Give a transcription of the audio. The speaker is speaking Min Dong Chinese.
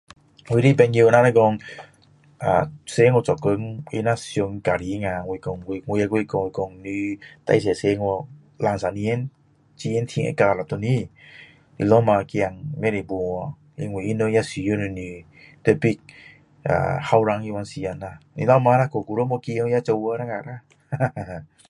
我的朋友若是说啊出去做工你若想家庭啊我讲我我我讲你最多出去两三年钱赚会够了回来老婆孩子不可以放弃因为他们也需要你特别啊年轻那时时间啦你老婆若太久没见也走掉啦哈哈哈哈